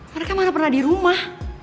mereka mana pernah di rumah